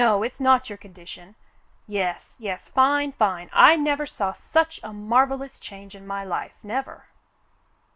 It's not your con dition. Yes, yes — fine, fine. I never saw such a mar vellous change in my life, never